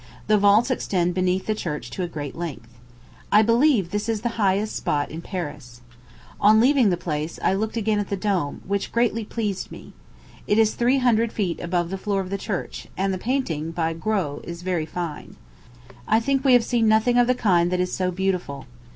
The vaults extend beneath the church to a great length. I believe this is the highest spot in Paris. On leaving the place, I looked again at the dome, which greatly pleased me. It is three hundred feet above the floor of the church; and the painting, by Gros, is very fine. I think we have seen nothing of the kind that is so beautiful.